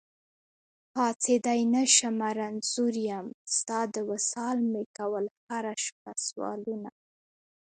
پاڅېدی نشمه رنځور يم، ستا د وصال مي کول هره شپه سوالونه